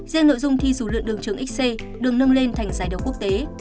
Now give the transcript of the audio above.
riêng nội dung thi du lượn đường trường xc được nâng lên thành giải đấu quốc tế